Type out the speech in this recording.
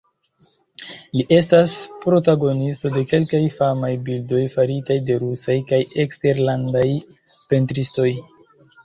Li estas protagonisto de kelkaj famaj bildoj faritaj de rusaj kaj eksterlandaj pentristoj.